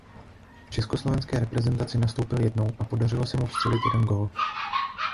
V československé reprezentaci nastoupil jednou a podařilo se mu vstřelit jeden gól.